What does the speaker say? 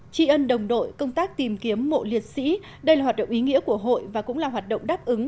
tri ân đồng đội công tác tìm kiếm mộ liệt sĩ đây là hoạt động ý nghĩa của hội và cũng là hoạt động đáp ứng